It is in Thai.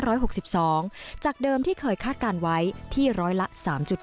ร้อยหกสิบสองจากเดิมที่เคยคาทการไว้ที่ร้อยละสามจุด